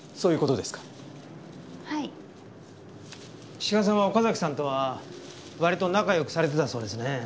志賀さんは岡崎さんとは割と仲良くされてたそうですね。